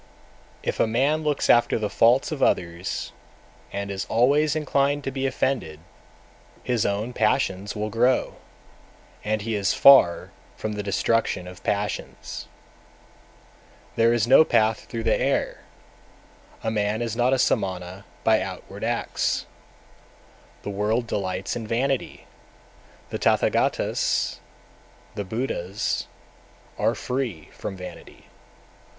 If a man looks after the faults of others, and is always inclined to be offended, his own passions will grow, and he is far from the destruction of passions. 254. There is no path through the air, a man is not a Samana by outward acts. The world delights in vanity, the Tathagatas (the Buddhas) are free from vanity.